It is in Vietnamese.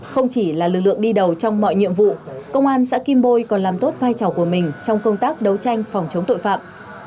không chỉ là lực lượng đi đầu trong mọi nhiệm vụ công an xã kim bôi còn làm tốt vai trò của mình trong công tác đấu tranh phòng chống tội phạm